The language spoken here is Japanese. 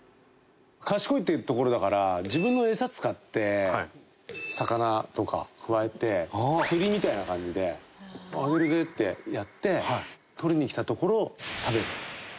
賢いっていうところだから自分の餌使って魚とかくわえて釣りみたいな感じで「あげるぜ」ってやって取りに来たところを食べる。